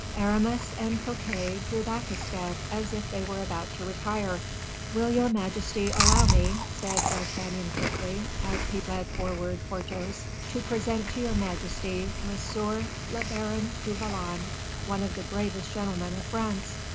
Aramis and Fouquet drew back a step, as if they were about to retire. "Will your majesty allow me," said D'Artagnan quickly, as he led forward Porthos, "to present to your majesty M. le Baron du Vallon, one of the bravest gentlemen of France?"